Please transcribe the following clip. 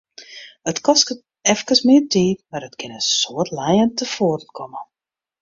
It kostet efkes mear tiid, mar it kin in soad lijen tefoaren komme.